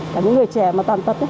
cả những người trẻ mà tàn tật